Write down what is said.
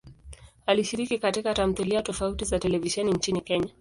Alishiriki katika tamthilia tofauti za televisheni nchini Kenya.